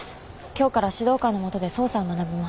今日から指導官の下で捜査を学びます。